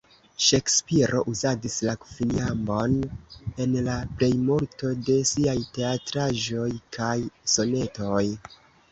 Ŝekspiro uzadis la kvinjambon en la plejmulto de siaj teatraĵoj kaj sonetoj.